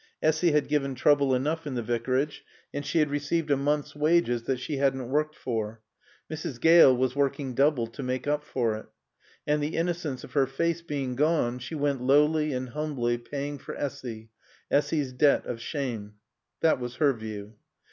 Essy had given trouble enough in the Vicarage, and she had received a month's wages that she hadn't worked for. Mrs. Gale was working double to make up for it. And the innocence of her face being gone, she went lowly and humbly, paying for Essy, Essy's debt of shame. That was her view.